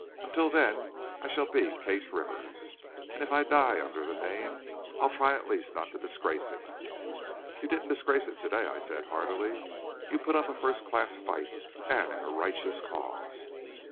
Until then I shall be Case Rivers, and if I die under the name, I'll try, at least, not to disgrace it." "You didn't disgrace it today," I said, heartily. "You put up a first class fight, and in a righteous cause."